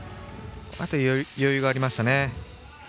余裕がありましたね。